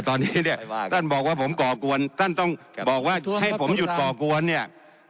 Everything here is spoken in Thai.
ตอนนี้เนี่ยท่านบอกว่าผมก่อกวนท่านต้องบอกว่าให้ผมหยุดก่อกวนเนี่ย